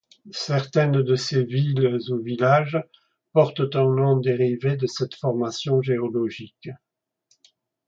Certaines de ces villes ou villages portent un nom dérivé de cette formation géologique.